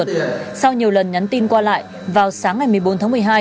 sau nhiều lần nhắn tin qua lại vào sáng ngày một mươi bốn tháng một mươi hai